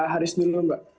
haris dulu mbak